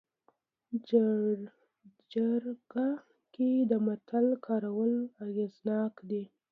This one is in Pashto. جرګه کې د متل کارول اغېزناک دي